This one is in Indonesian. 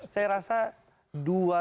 saya rasa dua tokoh ini tidak ada masalah